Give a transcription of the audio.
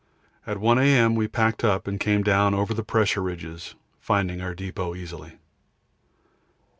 At 1 A.M. we packed up and came down over the pressure ridges, finding our depôt easily.